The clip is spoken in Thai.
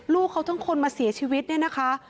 ลูกเขาทั้งคนมาเสียชีวิตเนี่ยนะคะ